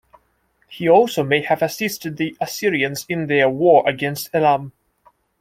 He also may have assisted the Assyrians in their war against Elam.